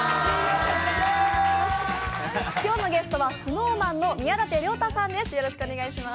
今日のゲストはＳｎｏｗＭａｎの宮舘涼太さんです。